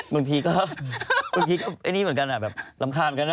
บางทีก็ไอ้นี่เหมือนกันนะแบบลำคาญกันนะ